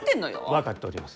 分かっております。